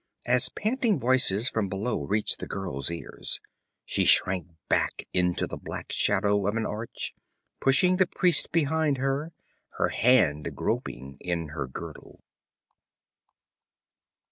As panting voices from below reached the girl's ears, she shrank back into the black shadow of an arch, pushing the priest behind her, her hand groping in her girdle.